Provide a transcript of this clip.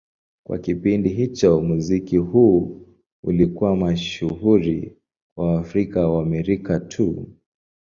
Kwa kipindi hicho, muziki huu ulikuwa mashuhuri kwa Waafrika-Waamerika tu.